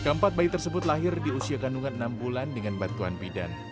keempat bayi tersebut lahir di usia kandungan enam bulan dengan bantuan bidan